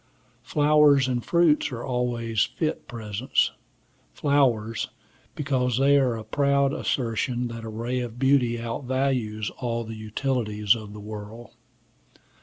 Flowers and fruits are always fit presents; flowers, because they are a proud assertion that a ray of beauty outvalues all the utilities of the world.